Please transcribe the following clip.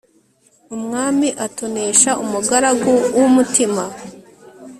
umwami atonesha umugaragu w'umutima